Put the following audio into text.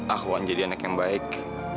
aku akan jadi anak yang baik